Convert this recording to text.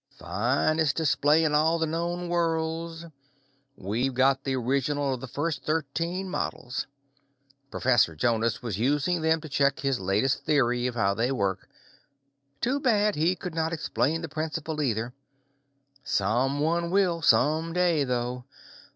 Finest display in all the known worlds. We've got the original of the first thirteen models. Professor Jonas was using them to check his latest theory of how they work. Too bad he could not explain the principle, either. Someone will, some day, though.